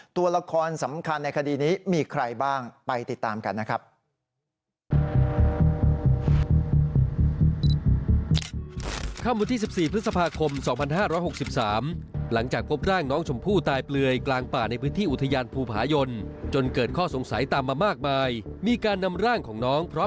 ตัวละครสำคัญในคดีนี้มีใครบ้างไปติดตามกันนะครับ